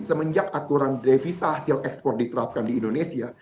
semenjak aturan devisa hasil ekspor diterapkan di indonesia